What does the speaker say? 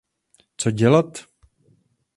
Co dělat?